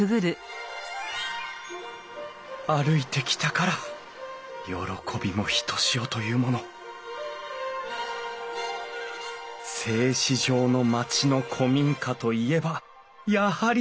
歩いてきたから喜びもひとしおというもの製糸場の町の古民家といえばやはり養蚕農家住宅だ。